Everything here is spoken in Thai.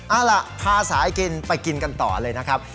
เอาล่ะพาสายกินไปกินกันต่อเลยนะครับ